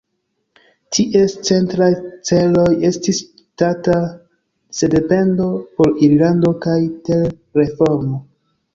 Ties centraj celoj estis ŝtata sendependo por Irlando kaj ter-reformo.